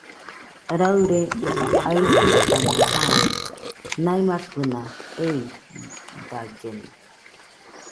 Raɨre aisɨkana jai, naimakɨna eidallena.